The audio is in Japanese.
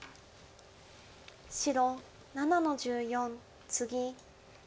白７の十四ツギ。